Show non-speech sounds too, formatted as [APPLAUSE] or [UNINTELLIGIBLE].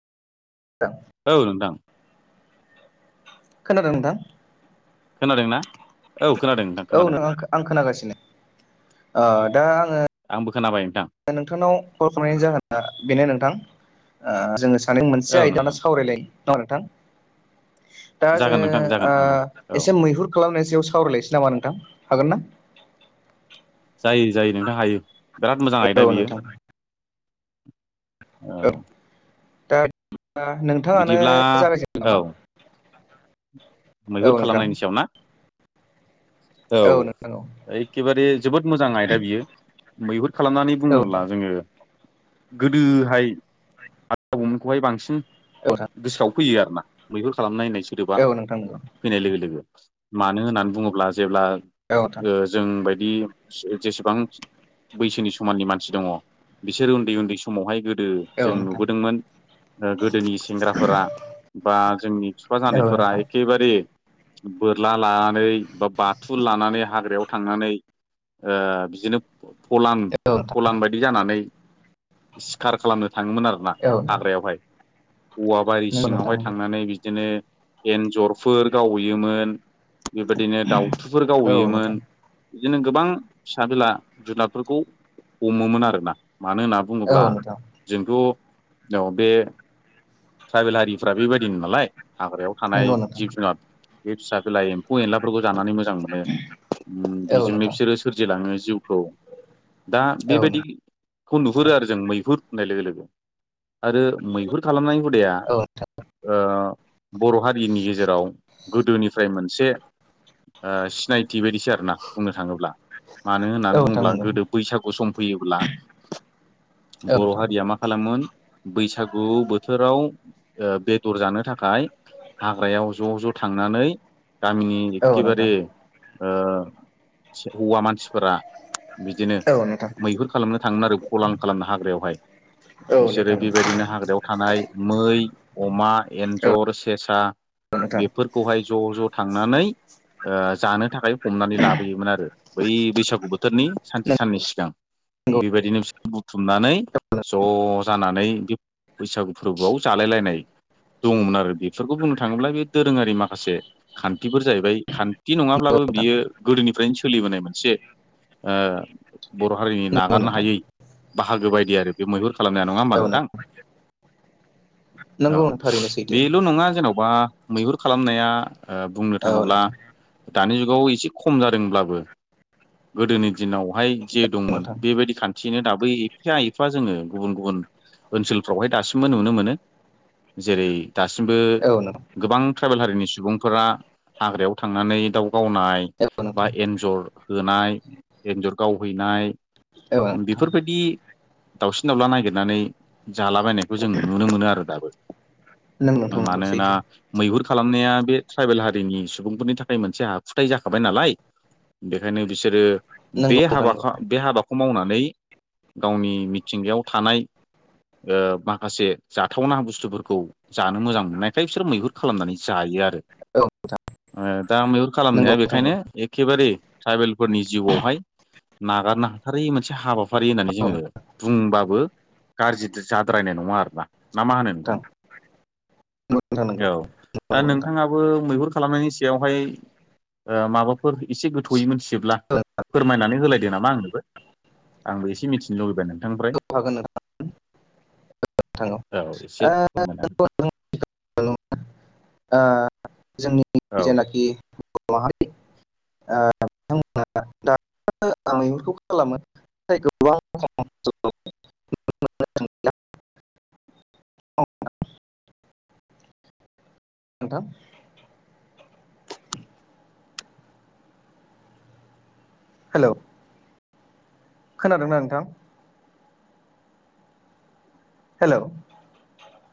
औ नोंथां। खोनादों नोंथां? खोनादों ना औ खोनादों नोंथां औ खोनादों। नों आं खोनागासिनो ओ दा आङो आंबो खोनाबाय। नोंथां ओ नोंथांनाव कल खालामनायनि जाहोना बेनो नोंथां ओ जोङो सानजों मोनसे औ आयदायावनो नोंथां सावरायलायो अ नोंथां। दा जागोन जोङो नोंथां जागोन ओ नंगौ औ एसे मैहुर खालामनाय सायाव सावरायलायसै नामा नोंथां? हागोन ना? जायो जायो नोंथां हायो बिराद मोजां आयदा औ बियो। नोंथां औ। दा नोंथाङानो बिदिब्ला जागायजेनदों औ नामा? मैहुर औ नोंथां खालामनायनि सायाव ना। औ नोंथां औ एखेबारे जोबोद मोजां आयदा बियो मैहुर खालामनानै औ बुङोब्ला नोंथां जोङो गोदोहाय आ आबौमोनखौहाय बांसिन औ नोंथां गोसोआव फैयो आरोना। मैहुर खालामनायनाय औ नोंथां नंगौ। फैनाय लोगो लोगो मानो होननानै बुङोब्ला जेब्ला औ नोंथां जों बाय दि जेसेबां बैसोनि समाननि मानसि दङ बिसोर उन्दै उन्दै समावहाय गोद दो औ जों नोंथां नुबोदोंमोन। गोदोनि सेंग्राफोरा बा जोंनि बिफा जानायफोरा एख औ के बोरला लानानै बा बाथुल लानानै हाग्रायाव थांनानै ओ बिदिनो फलान नोंथां फलान बायदि जानानै सिखार खालामनो थाङोमोन आरोना औ नोंथां हाग्रायावहाय। औवाबारि औ नोंथां नंगौ सिङावहाय नोंथां थांनानै बिदिनो एन्जरफोर गावैयोमोन। बेबायदिनो दाउथुफोर नंगौ औ गावहैयोमोन। नोंथां बिदिनो गोबां फिसा बिला जुनादफोरखौ हमोमोन आरोना। मानो होनना बुङोब्ला औ नोंथां जोंथ' अ बे। ट्राइबेल हारिफ्रा बेबायदिनो नालाय हाग्रायाव थानाय। नंगौ नोंथां जिब जुनार बे फिसा बिला एम्फौ एनलाफोरखौ जानानै मोजां मोनो। ओम औ बेजोंनो नोंथां बिसोरो सोरजिलाङो जिउखौ। दा औ बेबायदिखौ नुहुरो आरो जों मैहुर होननाय लोगो लोगो। आरो मैहुर खालामनाय हुदाया नोंथां औ ओ बर' हारिनि गेजेर राव गोदोनिफ्राय मोनसे ओ सिनायथि बायदिसो आरोना बुंनो थाङोब्ला। मानो होनना औ नोंथां बुङोब्ला नंगौ गोदो बैसागु सम फैयोब्ला औ बर' नोंथां हारिया मा खालामो। मोन बैसागु बोथोराव ओ बेदर जानो थाखाय हाग्रायाव । ज' ज' थांनानै गामिनि औ एखेबारे नोंथां ओ हौवा मानसिफोरा बिदिनो औ नोंथां मैहुर खालामनो थाङोमोन आरो फलान खालामनो हाग्रायावहाय। औ बिसोरो नोंथां बेबायदिनो हाग्रायाव थानाय मै अमा औ एन्जर सेसा नोंथां बेफोरखौहाय ज' ज' थांनानै ओ जानो थाखाय हमनानै लाबोयोमोन आरो बै बैसागु बोथोरनि सानसे साननि सिगां नंगौ । बेबायदिनो बिसोर बुथुमनानै ज' जानानै बे बैसागु फोरबोआव जालायलायनाय दङमोन आरो बेफोरखौ बुंनो थाङोब्ला बे दोरोङारि माखासे खान्थिफोर जाहैबाय खान्थि नङाब्लाबो नोंथां बियो गोदोनिफ्रायनो सोलिबोनाय मोनसे ओ बर' हारिनि नंगौ नागारनो नोंथां हायै बाहागो बायदि आरो बे मैहुर खालामनाया नङा होमबा औ नोंथां? औ नंगौ थारैनो सैथो बेल' नङा जेनेब बा मैहुर खालामनाया ओ बुंनो औ थाङोब्ला। नोंथां दानि जुगाव एसे खम जादोंब्लाबो गोदोनि दिनावहाय जे दंमोन नोंथां बेबायदि खान्थियैनो दाब बो एफा एइफा जोङो गुबुन गुबुन ओनसोलफ्रावहाय दासिमबो नुनो मोनो। जेरै दासिमबो औ नोंथां गोबां ट्राइबेल हारिनि सुबुंफोरा हाग्रायाव थांनानै दाउ गावनाय औ बा नोंथां एन्जर होनाय एन्जर गावहैनाय। औ नोंथां बेफोरबादि दावसिन दाउला नागिरनानै जालाबायनायखौ जों नुनो मोनो आरो दाबो नों नोंथां नंगौ मानोना सैथो मैहुर खालामनाया बे ट्राइबेल हारिनि सुबुंफोरनि थाखाय मोनसे आाखुथाय जाखाबाय नालाय। बेखायनो बिसोरो बे नंगौ नोंथां नंगौ हाबाखा बे हाबाखौ खौ मावनानै गावनि मिथिंगायाव थानाय ओ माखासे जाथावना बुस्थुफोरखौ जानो मोजां मोननायखाय बिसोर मैहुर खालामनानै जायो आरो। औ दा मैहुर नंगौ खालामनाया नोंथां नंगौ बेखायनो एखेबारे ट्राइबेलफोरनि जिउआवहाय नागारनो हाथारै मोनसे हाबाफारि होननानै औ जोङो बुंबाबो गाज्रिथ जाद्रायनाय नङा आरोना। ना मा होनो नोंथां थां [INAUDIBLE] नांगौ औ दा नोंथाङाबो मैहुर खालामनायनि सायावहाय माबाफोर एसे गोथौयै मिथियोब्ला फोरमायनानै होलायदो नामा आंनोबो। आंबो एसे मिथिनो लुबैबाय मोन औ हागोन [INAUDIBLE] [UNINTELLIGIBLE] [INAUDIBLE] औ एसे फोरमायना जोंनि हो। औ जेनाखि बर' माहारि [INAUDIBLE] आं मैहुरखौ खालामो नाथाय गोबां खम जालांबाय। [INAUDIBLE] अ [INAUDIBLE] नोंथां हेल' खोनादोंना नोंथां? हेल'